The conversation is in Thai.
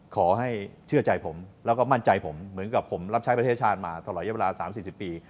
ขอให้เชื่อใจผมแล้วก็มั่นใจผมเหมือนกับผมรับใช้ประเทศชาติมาตลอดเยอะเวลา๓๔๐ปี